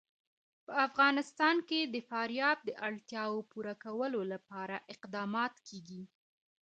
په افغانستان کې د فاریاب د اړتیاوو پوره کولو لپاره اقدامات کېږي.